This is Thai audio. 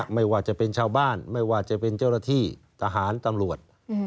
ไม่ว่าจะเป็นชาวบ้านไม่ว่าจะเป็นเจ้าหน้าที่ทหารตำรวจ